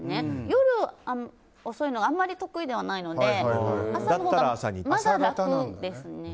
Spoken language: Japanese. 夜遅いのがあまり得意ではないので朝のほうが、まだ楽ですね。